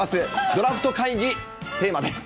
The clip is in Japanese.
ドラフト会議、テーマです。